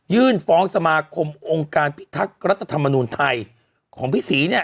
ยื่นฟ้องสมาคมองค์การพิทักษ์รัฐธรรมนูญไทยของพี่ศรีเนี่ย